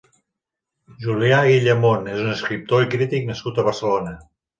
Julià Guillamon és un escriptor i crític nascut a Barcelona.